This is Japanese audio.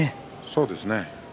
そうですね。